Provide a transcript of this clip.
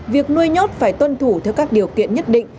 việc nuôi nhốt phải tuân thủ theo các điều kiện nhất định